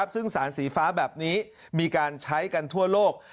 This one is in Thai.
ซึ่งสารสีฟ้าแบบนี้มีการใช้กันทั่วโลก